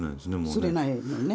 ほらすれないもんね。